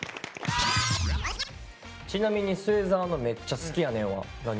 ちなみに末澤の「めっちゃ好きやねん！」は何？